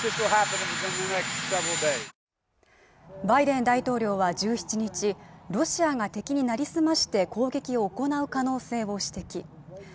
バイデン大統領は１７日ロシアが敵になりすまして攻撃を行う可能性を指摘